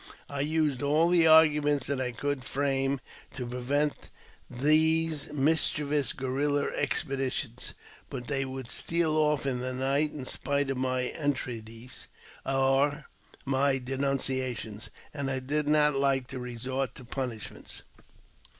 I used all the arguments I could frame to prevent these mischievous guerilla ex peditions, but they would steal off in the night in spite of my entreaties or my denunciations, and I did not like to resort to punishments.